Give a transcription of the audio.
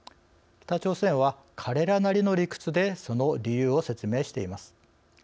北朝鮮は彼らなりの理屈でその理由を説明しています。